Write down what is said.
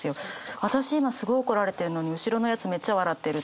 私今すごい怒られてるのに後ろのやつめっちゃ笑ってるとか。